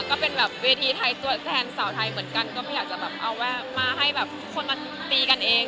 ก็เป็นแบบเวทีไทยตัวแทนสาวไทยเหมือนกันก็ไม่อยากจะแบบเอามาให้แบบคนมาตีกันเอง